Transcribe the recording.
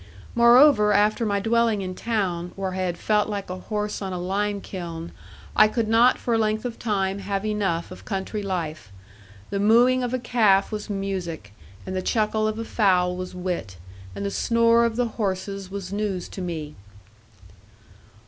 Moreover, after my dwelling in town, where I had felt like a horse on a lime kiln, I could not for a length of time have enough of country life. The mooing of a calf was music, and the chuckle of a fowl was wit, and the snore of the horses was news to me.